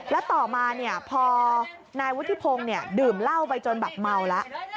แล้วต่อมาพอนายวุฒิพงศ์ดื่มเหล้าไปจนแบบเมาแล้ว